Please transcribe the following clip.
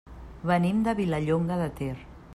Venim de Vilallonga de Ter.